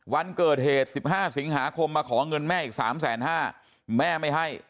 วันเกิดเหตุ๑๕สิงหาคมมาขอเงินแม่อีก๓๕๐๐แม่ไม่ให้